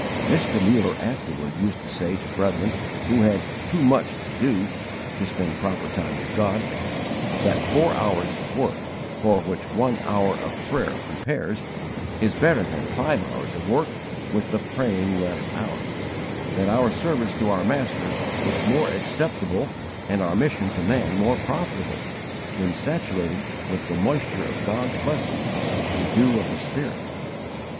Mr. Muller afterward used to say to brethren who had "too much to do" to spend proper time with God, that four hours of work for which one hour of prayer prepares, is better than five hours of work with the praying left out; that our service to our Master is more acceptable and our mission to man more profitable, when saturated with the moisture of God's blessing the dew of the Spirit.